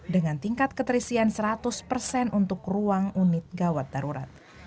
dengan tingkat keterisian seratus persen untuk ruang unit gawat darurat